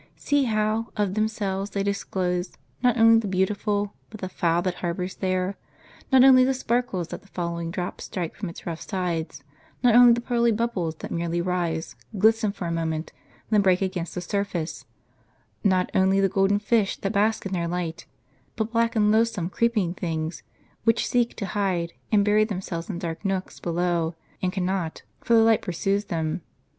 See how, of themselves they disclose, not only the beautiful, but the foul that harbors there; not only the sparkles that the falling drops strike from its rough sides ; not only the pearly bubbles that merely rise, glisten for a moment, then break against the surface ; not only the golden fish that bask in their light, but black and loathsome creeping things, which seek to hide and bury themselves in dark nooks below, and cannot; for the light pursues them.